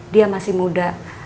dia masih muda